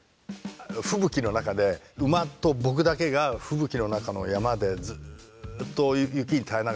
吹雪の中で馬と僕だけが吹雪の中の山でずっと雪に耐えながら立ってるっていうか。